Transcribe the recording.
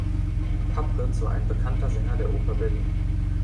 Pappritz war ein bekannter Sänger der Oper Berlin.